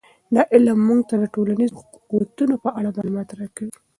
دا علم موږ ته د ټولنیزو قوتونو په اړه معلومات راکوي.